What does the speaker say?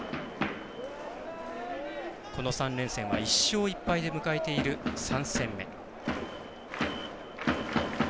この３連戦は１勝１敗で迎えている３戦目。